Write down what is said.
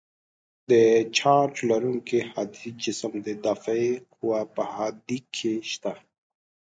د چارج لرونکي هادي جسم د دافعې قوه په هادې کې شته.